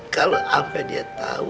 kalau sampai dia tahu